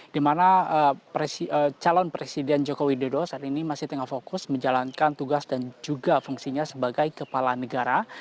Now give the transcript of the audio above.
dimana calon presiden joko widodo saat ini masih tengah fokus menjalankan tugas dan juga fungsinya sebagai kepala negara